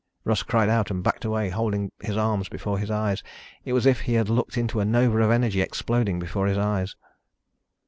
Russ cried out and backed away, holding his arm before his eyes. It was as if he had looked into a nova of energy exploding before his eyes.